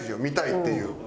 見たいっていう。